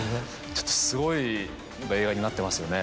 ちょっとすごい映画になってますよね。